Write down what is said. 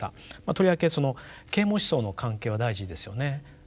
とりわけその啓蒙思想の関係は大事ですよね。